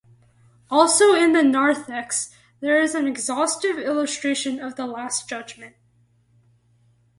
Also in the narthex, there is an exhaustive illustration of the Last Judgment.